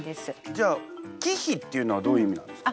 じゃあ貴妃っていうのはどういう意味なんですか？